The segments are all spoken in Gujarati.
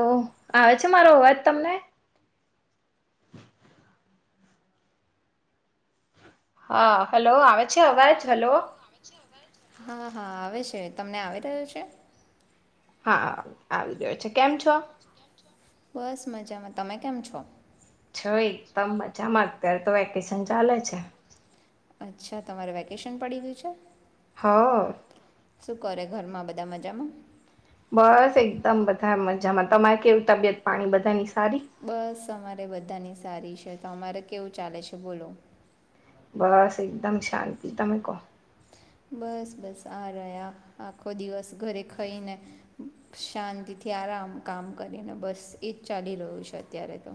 ઓ આવે છે મારો અવાજ તમને હા હલો આવે છે અવાજજ હલો હા હા આવે છે તમને આવી રહ્યો છે હા આવી ગયો છે કેમ છો બસ મજામાં તમે કેમ છો જો એકદમ મજામાં અત્યારે તો વેકેશન ચાલે છે અચ્છા તમારે વેકેશન પડી ગયું છે હા શું કરે ઘરમાં બધા મજામાં બસ એકદમ બધા મજામાં તમારે કેવી તબિયત પાણી બધાની સારી? બસ અમારે બધાની સારી છે કે તો અમારે કેવું ચાલે છે બોલો બસ એકદમ શાંતિ તમે કહો બસ બસ આ રહ્યા આખો દિવસ ઘરે ખઇને શાંતિથી આરામ કામ કરીને બસ એજ ચાલી રહ્યું છે અત્યારે તો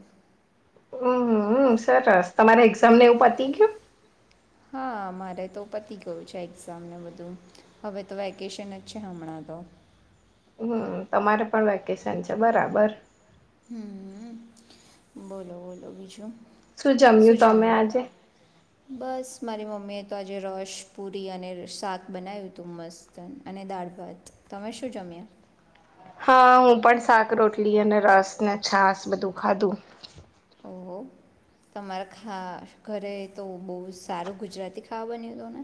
હમ સરસ તમારા એક્ઝામને એવું પતી ગય હા મારે તો પતી ગયું છે એક્ઝામને બધું હવે તો વેકેશન જ છે હમણાં તો હમ તમારે પણ વેકેશન છે બરાબર હમ બોલો બોલો બીજું શું જમ્યું તમે આજે બસ મારી મમ્મીએ તો આજે રસ પુરી અને શાક બનાવ્યું હતું મસ્ત અને દાળ ભાત તમે શું જમ્યા હા હું પણ શાક રોટલી અને રસ ને છાસ બધું ખાધું ઓહો તમારા ખા ઘરે તો બહુ સારું ગુજરાતી ખાવા બન્યું હત ને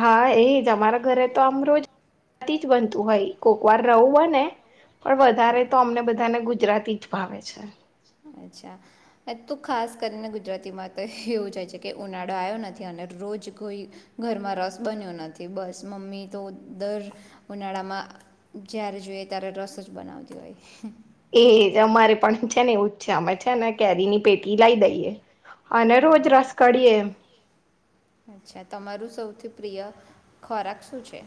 હા એ જ અમારા ઘરે તો આમ રોજ [unintelligible] થી બનતું હોય કોકવાર રહવું હોય ને પણ વધારે હા તો અમને બધાને ગુજરાત પીઠ ભાવે છે. અચ્છા તો ખાસ કરીને ગુજરાતીમાં તો એવું જાય છે કે ઉનાળો આવ્યો નથી અને રોજ કોઈ ઘરમાં રસ બન્યો નથી બસ મમ્મી તો દર ઉનાળામાં જ્યારે જોઈએ ત્યારે રસ જ બનાવતી હોય. એજ અમારે પણ છે ને એવુ છે અમે છે ને કેરી ની પેટી લાવ દઈએ અને રોજ રસ કાઢીએે એમ. અચ્છા તમારું સૌથી પ્રિય ખોરાક શું છે?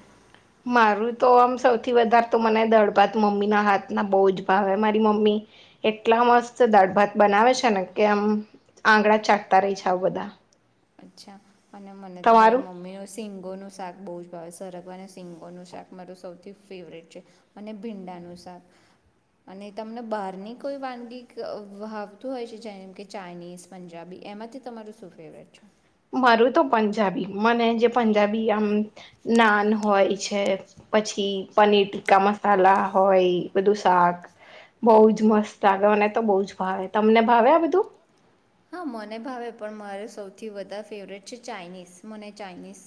મારું તો આમ સૌથી વધારે તો મને દડભાત મમ્મીના હાથના બહુ જ ભાવે મારી મમ્મી એટલા મસ્ત દડભાત બનાવે છે ને કે આમ આંગણા ચાટતા રહી છે આવ બધા. અચ્છા! અને મને તો મારી તમારું મમ્મીનું શિંગોનું શાક બહુ જ સરગવા અને શિંગોનું શાક મારું સૌથી ફેવરેટ છે અને ભીંડાનું શાક અને તમને બહારની કોઈ વાનગી વાવતું હોય છે જેમ કે ચાઇનીઝ પંજાબી એમાંથી તમારું શું ફેવરેટ છે? મારું તો પંજાબી મને જે પંજાબી આમ નાન હોય છે પછી પનીર ટીકા મસાલા હોય બધું શાક બહુ જ મસ્ત લાગે મને તો બહ જ ભાવે તમને ભાવે આ બધું? હા મને ભાવે પણ મારે સૌથી વધારે ફેવરેટ છે ચાઇનીઝ. મને ચાઇનીઝ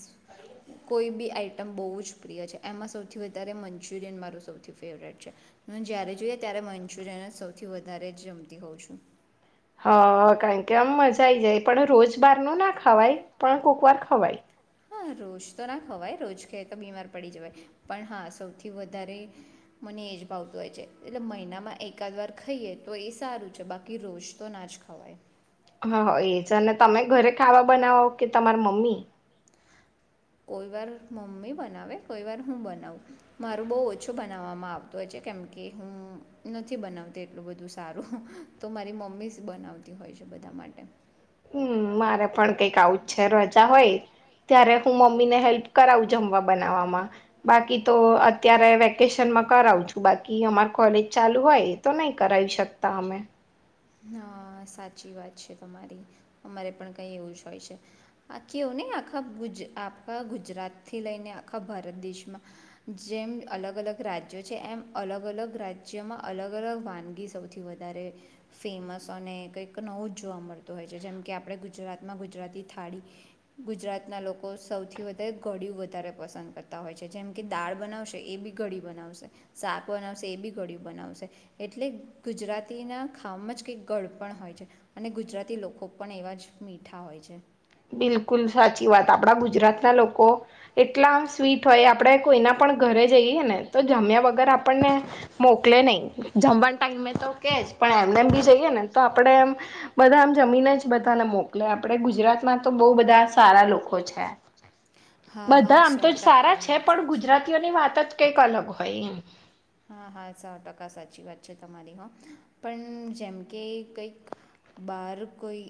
કોઈ બી આઈટમ બહુ જ પ્રિય છે એમાં સૌથી વધારે મંચુરિયન મારું સૌથી ફેવરેટ છે હ જ્યારે જોઈએ ત્યારે મંચુરિયન સૌથી વધારે જમતી હોઉં છું. હ કારણ કે આમ મજા આઈ જાય પણ રોજ બાર ન ના ખાવાય પણ કોક વાર ખવાય. હા રોજ તો ના ખવાય રોજ ખાઈ તો બીમાર પડી જવાય, પણ હા સૌથી વધારે મને એજ ભાવતું હોય છે એટલે મહિનામાં એકાદ વાર ખાઈએ તો એ સારું છે બાકી રોજ તો ના જ ખવાય. હા હ એજ અને તમે ઘરે ખાવા બનાવો કે તમાર મમ્મી? કોઈ વાર મમ્મી બનાવે કોઈ વાર હું બનાવું મારું બહુ ઓછું બનાવવામાં આવતું હોય છે કેમકે હું નથી બનાવતી એટલું બધું સારું તો મારી મમ્મી જ બનાવતી હોય છે બધા માટે. હમ્મ મારે પણ કઈક આવું જ છે રજા હોય ત્યારે હું મમ્મી ને હેલ્પ કરાવું જમવા બનાવવામાં બાકી તો અત્યારે વેકેશનમાં કરાવ છું બાકી અમાર કોલેજ ચાલુ હોય તો નહી કરાવી શકતા અમે હા સાચી વાત છે તમારી અમારે પણ કઈ એવું જ હોય છે આખી એવું ને આખા ગુજ આખા ગુજરાતથી લઈને આખા ભારત દેશમાં જેમ અલગ-અલગ રાજ્યો છે એમ અલગ અલગ રાજ્યોમાં અલગ અલગ વાનગી સૌથી વધારે ફેમસ અને કંઈક નવું જ જોવા મળતું હોય છે જેમ કે આપણે ગુજરાતમાં ગુજરાતી થાળી ગુજરાતના લોકો સૌથી વધારે ઘડિય વધારે પસંદ કરતા હોય છે જેમ કે દાળ બનાવશે એ બી ઘડી બનાવશે શાક બનાવશે એ બી ઘળિય બનાવશે એટલે ગુજરાતીના ખાવામાં જ કંઈક ગળ પણ હોય છે અને ગુજરાતી લોકો પણ એવા જ મીઠા હોય છે. બિલકુલ સાચી વાત આપડા ગુજરાત ના લોકો કો એટલા આમ સ્વીટ હોય આપણે કોઈના પણ ઘરે જઈએ ને તો જમ્યા વગર આપણને મોકલે નહી જમવા ટાઈમે તો કે પણ એમને બી જઈએ ને તો આપણે એમ બધા આમ જમીને જ બધાને મોકલે આપણે ગુજરાત માં તો બો બધા સારા લોકો છે. હા હા બધા આમ સો તો જ સારા ટકા છે વાત પણ સાચી ગુજરાતીઓની વાત જ કંઈક અલગ હોય. [unintelligible] હા હા સો ટકા સાચી વાત છે તમારી હો પણ જેમ કે કંઈક બહાર કોઈ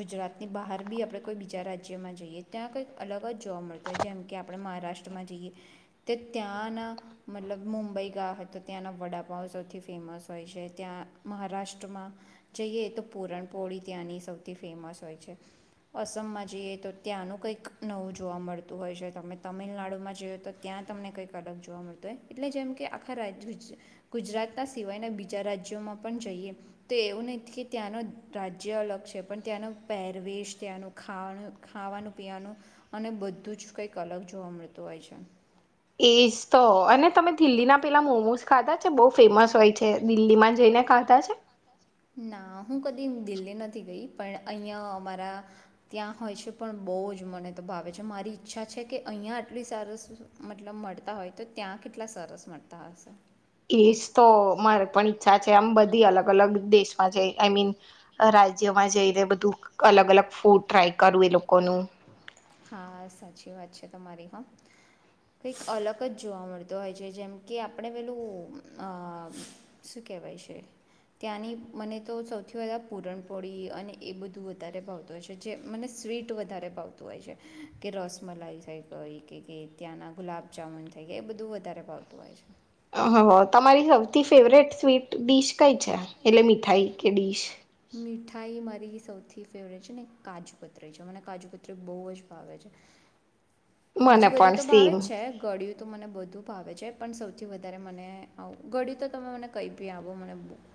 ગુજરાતની બહાર બી આપણે કોઈ બીજા રાજ્યમાં જઈએ ત્યાં કંઈક અલગ જ જોવા મળતો હોય જેમ કે આપણે મહારાષ્ટ્રમાં જઈએ તે ત્યાંના મતલબ મુંબઈ ગા હો તો ત્યાંના વડાપાઓ સૌથી ફેમસ હોય છે ત્યાં મહારાષ્ટ્રમાં જઈએ તો પૂરણપોળી ત્યાંની સૌથી ફેમસ હોય છે અસમમાં જઈએ તો ત્યાંનું કંઈક નવું જોવા મળતું હોય છે તમે તમિલનાડુમાં જઈઓ તો ત્યાં તમને કંઈક અલગ જોવા મળતું હોય એટલે જેમ કે આ આખા રાજ ગુજરાતના સિવાયના બીજા રાજ્યોમાં પણ જઈએ તો એવું નથી કે ત્યાંનો રાજ્ય અલગ છે પણ ત્યાંનો પહેરવેશ ત્યાંનું ખાવાનું ખાવાનું પીવાનું અને બધું જ કઈક અલગ જોવા મળતું હોય છે. એજ તો અને તમે દિલ્લી ના પેલા મોમોસ ખાધા છે બો ફેમસ હોય છે દિલ્હીમાં જઈને ખાધા છે? ના હું કદી દિલ્હી નથી ગઈ પણ અહીં અમારા ત્યાં હોય છે પણ બહુ જ મને તો ભાવે છે મારી ઈચ્છા છે કે અહિયાં આટલી સરસ મતલબ મળતા હોય તો ત્યાં કેટલા સરસ મળતા હશે. એજ તો મારે પણ ઈચ્છા છે આમ બધી અલગ-અલગ દેશમાં જઈ આઈ મીન રાજ્યમાં જઈને બધું અલગ અલગ ફૂડ ટ્રાય કરું એ લોકોનું હા સાચી વાત છે તમારી હા. કંઈક અલગ જ જોવા મળતો હોય છે જેમ કે આપણે પેલું શું કહેવાય છે ત્યાંની મને તો સૌથી વધારે પૂરણપોળી અને એ બધું વધારે ભાવતું હોય છે જે મને સ્વીટ વધારે ભાવત [unintelligible] કે રસમલાઈ થઈ ગઈ કે ત્યાંના ગુલાબજામુન થઈ ગયા એ બધું વધારે પાવતું હોય છે. હ હ હ તમારી સૌથી ફેવરેટ સ્વીટ ડીશ કઈ છે એટલે મીઠાઈ કે ડીશ? મીઠાઈ મારી સૌથી ફેવરેટ છે ને કાજુકત્રી છે મને કાજુકત્રી બહુ જ ભાવે છે. મને બીજી બધી પણ તો ભાવે જ સેમ છે ઘળયું મને બધું ભાવે છે પણ સૌથી વધારે મને આવ ઘડ્યું તો તમે મને કઈ બી આવો મને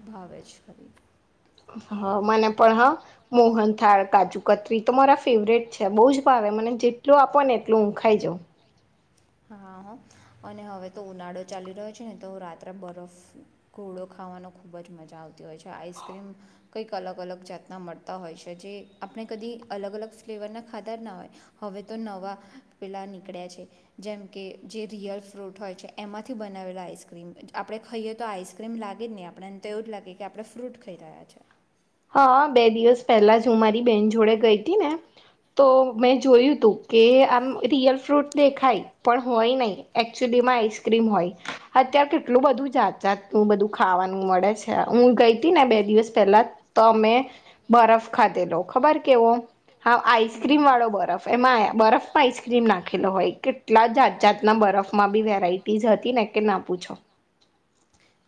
ભાવે જ ખરી. હ મને પણ હ મોહન થાળ કાજુ કતરી તો મારા ફેવરેટ છે બઉ જ ભાવે મને જેટલું આપો ને એટલું હું ખાઈ જઉં. હા હા અને હવે તો ઉનાળો ચાલી રહ્યો છે ને તો રાત્રે બરફ ઘોડો ખાવાનો ખૂબ જ મજા આવતી હોય છે આઈસક્રીમ કંઈક અલગ અલગ જાતના મળતા હોય છે જે આપણે કદી અલગ અલગ ફ્લેવરના ખાધ ના હોય હવે તો નવા પેલા નીકળ્યા છે. જેમ કે જે રિયલ ફ્રૂટ હોય છે એમાંથી બનાવેલા આઈસક્રીમ આપણે ખાઈએ તો આઈસ્ક્રીમ લાગે જ નહીં આપણેને તો એવું જ લાગે કે આપણે ફ્રૂટ ખાઈ રહ્યા છે હા બે દિવસ પહેલા જ હું મારી બેન જોડે ગઈ હતી ને તો મેં જોયું તું કે આમ રિયલ ફ્રૂટ દેખાય પણ હોય નહી એકચુલીમાં આઈસક્રીમ હોય અત્યારે કેટલું બધું જાત જાતનું બધું ખાવાનું મળે છે હું ગઈ હતી ને બે દિવસ પહેલા જ તમે બરફ ખાધેલો ખબર કેવો. હા આઈસક્રીમ વાળો બરફ એમાં આ બરફ. આઈસક્રીમ નાખેલો હોય કેટલા જાત જાતના બરફમાં બી વેરાઈટી હતી ને કે ના પૂછો.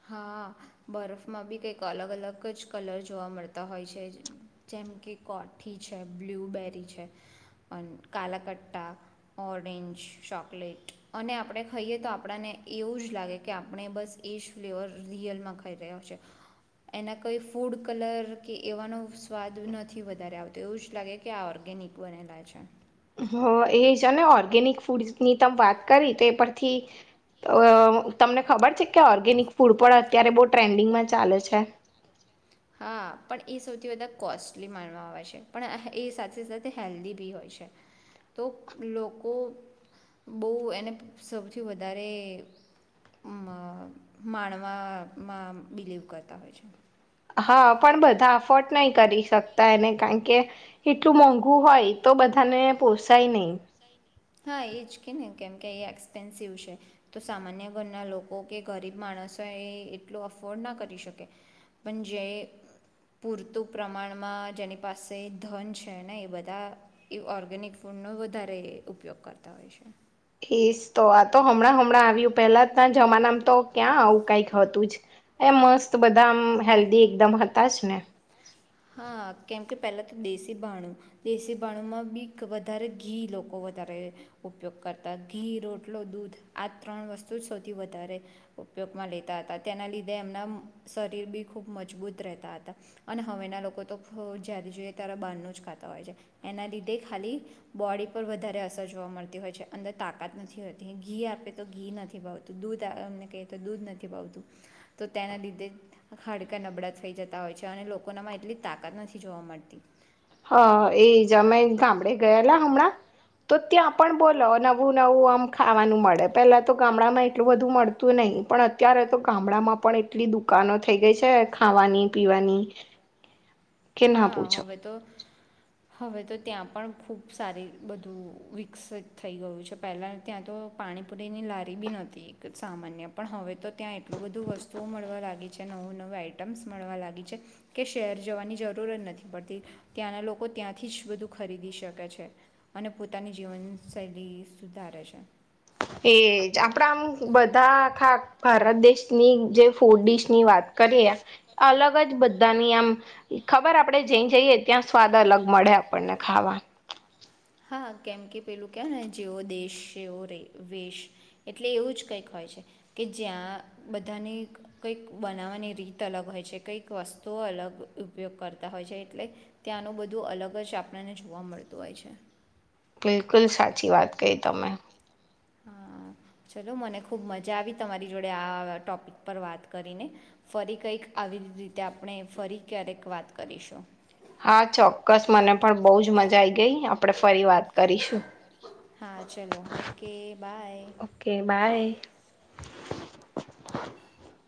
હા બરફમાં બી કંઈક અલગ અલગ જ કલર જોવા મળતા હોય છે જેમ કે કોઠી છે બ્લુબેરી છે અને કાલાકટ્ટા ઓરેન્જ ચોકલેટ અને આપણે ખાઈએ તો આપણને એવું જ લાગે કે આપણે બસ એ. ફ્લેવર રિયલમાં ખાઈ રહ્યો છે એના કઈ ફૂડ કલર કે એવાનો સ્વાદ નથી વધારે આવતો એવું જ લાગે કે આ ઓર્ગેનિક બનેલા છે. હ એ જ અને ઓર્ગેનિક ફૂડની ત વાત કરી તો એ પરથી તમને ખબર છે કે ઓર્ગેનિક ફૂડ પણ અત્યારે બહુ ટ્રેન્ડિંગમાં ચાલે છે. હા પણ એ સૌથી વધધા કોસ્ટલી માણવા આવે છે પણ એ સાથે સાથે હેલ્ધી બી હોય છે તો લોકો બહુ એને સૌથી વધારે માણવામાં બિલીવ કરતા હોય છે. હા પણ બધા અફોર્ડ નહી કરી શકતા એને કારણકે એટલું મોંઘું હોય તો બધાને પોસાય નહી. હા એ જ કે ને કેમકે એ એક્સપેન્સિવ છે તો સામાન્ય ઘરના લોકો કે ગરીબ માણસો એ એટલો અફોર્ડ ના કરી શકે પણ જે પૂરતું પ્રમાણમાં જેની પાસે ધન છે ને એ બધા એ ઓર્ગેનિક ફૂડનો વધારે. ઉપયોગ કરતા હોય છે. ઈસ તો આ તો હમણાં હમણાં આવ્યું પેલા ના જમાનામ તો ક્યાં આવું કઈક હતું જ એ મસ્ત બધા આમ હેલ્ધી એકદમ હતા જ ને. હા કેમકે પહેલા તો દેશી ભાણું દેશી ભાણુંમાં બી વધારે ઘી લોકો વધારે ઉપયોગ કરતા ઘી રોટલો દૂધ આ ત્રણ વસ્તુ જ સૌથી વધારે ઉપયોગમાં લેતા હતા તેના લીધે એમના શરીર બી ખૂબ મજબૂત રહેતા હતા અને. હવેના લોકો તો જ્યારે જોઈએ ત્યારેા બહારનું જ ખાતા હોય છે એના લીધે ખાલી બોડી પર વધારે અસર જોવા મળતી હોય છે અંદર તાકાત નથી હોતી ઘી આપે તો ઘી નથી ભાવતું દૂધ અમને કહીએ તો દૂધ નથી ભાવતું તો તેના લીધે ખાડકા નબળા થઈ જતા હોય છે અને લોકો. નામાં એટલી તાકાત નથી જોવા મળતી. હા એ જ અમે ગામડે ગયેલા હમણાં તો ત્યાં પણ બોલો નવું નવું આમ ખાવાનું મળે પેલા તો ગામડામાં એટલું બધું મળતું નહીિ પણ અત્યારે તો ગામડામાં પણ એટલી દુકાનો થઈ ગઈ છે ખાવાની પીવાની. કે ના હા પૂછો હવે તો. હવે તો ત્યાં પણ ખુબ સારી બધું વિકસિત થઈ ગયું છે પહેલા ત્યાં તો પાણીપુરીની લારી બી ન એક સામાન્ય પણ હવે તો ત્યાં એટલું બધું વસ્તુઓ મળવા લાગી છે નવું નવું આઈટમ્સ મળવા લાગી છે કે શેર જવાની જરૂર. જરૂર જ નથી પડતી ત્યાંના લોકો ત્યાંથી જ બધું ખરીદી શકે છે અને પોતાની જીવનશૈલી સુધારે છે. એજ આપડા આમ બધા આા ભારત દેશની જે ફૂડ ડીશ ની વાત કરીએ અલગ જ બધાની આમ ખબર આપણેે જ જઈએ ત્યાં સ્વાદ અલગ મળે આપણને ખાવા. હા કેમ કે પેલું કહેવાય ને જેવો દેશ જેવો ર વેશ એટલે એવું જ કંઈક હોય છે કે જ્યાં બધાની કંઈક બનાવવાની રીત અલગ હોય છે કંઈક વસ્તુઓ અલગ ઉપયોગ કરતા હોય છે એટલે ત્યાંનું બધું અલગ જ આપણને જોવા મળતું હોય છે. બિલકુલ સાચી વાત કહી તમે. હા ચલો મને ખુબ મજા આવી તમારી જોડે આ ટોપિક પર વાત કરીને ફરી કંઈક આવી રીતે આપણે ફરી ક્યારેક વાત કરીશું. હા ચોક્કસ મને પણ બહુ જ મજા આઈ ગઈ આપડે ફરી વાત. કરીશું. હા ચલો ઓકે બાય. ઓકે [inaudible]